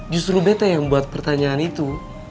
justru bete yang buat pertanyaan itu